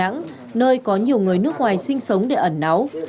đà nẵng nơi có nhiều người nước ngoài sinh sống để ẩn náu